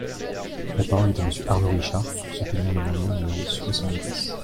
La parole est à Monsieur Arnaud Richard, pour soutenir l’amendement numéro soixante-dix.